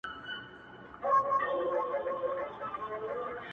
که مړ کېدم په دې حالت کي دي له ياده باسم”